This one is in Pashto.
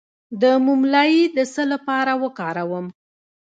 د موم لایی د څه لپاره وکاروم؟